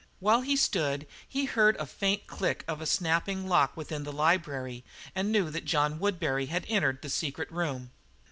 While he stood, he heard a faint click of a snapping lock within the library and knew that John Woodbury had entered the secret room.